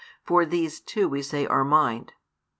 for these too we say are mind.